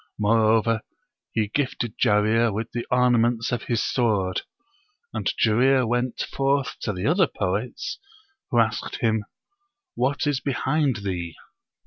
Moreover, he gifted Jarir with the ornaments of his sword; and Jarir went forth to the other poets, who asked him, "What is behind thee?"